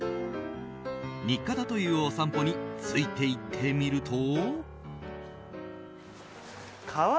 日課だというお散歩についていってみると。